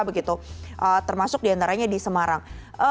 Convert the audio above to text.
begitu termasuk diantaranya di semarang